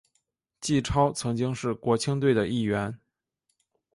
纪超曾经是国青队的一员。